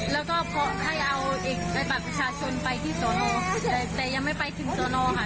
แล้วก็เพราะให้เอาเอกในบัตรประชาชนไปที่สอนอแต่ยังไม่ไปถึงสอนอค่ะ